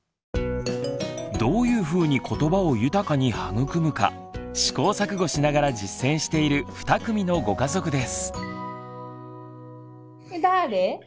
どういうふうにことばを豊かに育むか試行錯誤しながら実践している２組のご家族です。